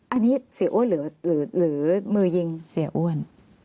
อันนี้เสียอ้วนหรือมือยิงเสียอ้วน